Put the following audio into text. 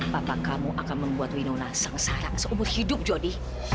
papa kamu akan membuat winona sengsara seumur hidup jody